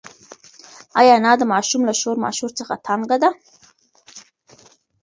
ایا انا د ماشوم له شور ماشور څخه تنگه ده؟